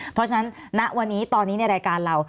เพราะฉะนั้นณวันนี้ตอนนี้ในรายการเรา